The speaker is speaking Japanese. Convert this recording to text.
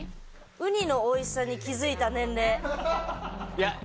ウニの美味しさに気づいた年齢。